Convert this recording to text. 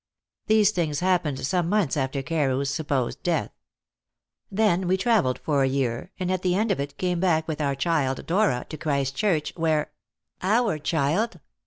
These things happened some months after Carew's supposed death. Then we travelled for a year, and at the end of it came back with our child Dora to Christchurch, where " "Our child?"